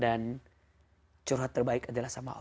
dan curhat terbaik adalah sama allah